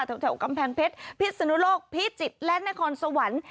แถวกำแพงเพชรพิศนุโลกพิจิตรและนครสวรรค์